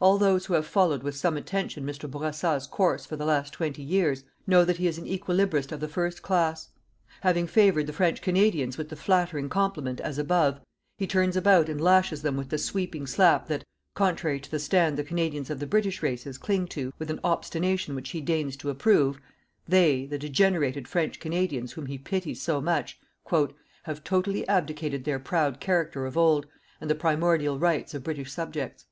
All those who have followed with some attention Mr. Bourassa's course for the last twenty years, know that he is an equilibrist of the first class. Having favoured the French Canadians with the flattering compliment as above, he turns about and lashes them with the sweeping slap that, contrary to the stand the Canadians of the British races cling to with an obstination which he deigns to approve, they, the degenerated French Canadians whom he pities so much, "have totally abdicated their proud character of old and the primordial rights of British subjects."